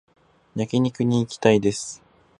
焼肉に行きたいです